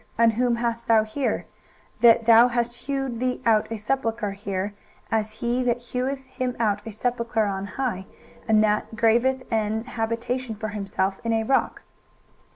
and whom hast thou here, that thou hast hewed thee out a sepulchre here, as he that heweth him out a sepulchre on high, and that graveth an habitation for himself in a rock?